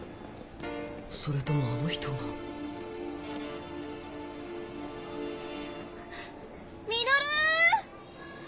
それともあの人が稔！